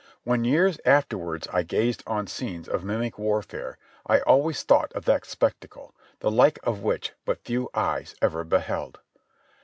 When years afterwards I gazed on scenes of mimic warfare I always thought of that spectacle, the like of which but few eyes ever beheld.